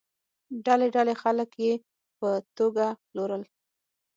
ډلې ډلې خلک یې په توګه پلورل.